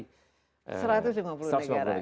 satu ratus lima puluh negara